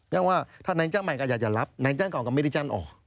ยังว่าถ้านายจ้างใหม่ก็อยากจะรับนายจ้างเก่าก็ไม่ได้จ้างออก